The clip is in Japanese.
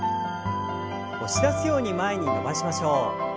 押し出すように前に伸ばしましょう。